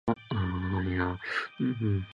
成为日本帝国陆军航空队所属的飞行员。